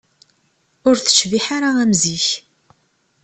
Ur tecbiḥ ara am zik.